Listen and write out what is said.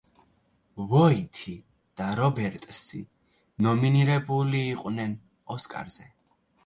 ვოითი და რობერტსი ნომინირებული იყვნენ ოსკარზე.